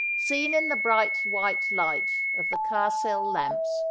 Seen in the bright white light of the carcel lamps.